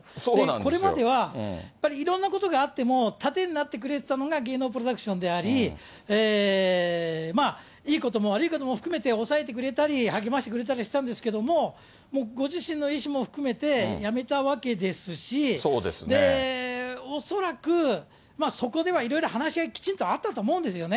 これまでは、いろんなことがあっても盾になってくれてたのが芸能プロダクションであり、いいことも悪いことも含めて抑えてくれたり、励ましてくれたりしたんですけれども、もうご自身の意思も含めて辞めたわけですし、恐らく、そこではいろいろ話し合い、きちんとあったと思うんですよね。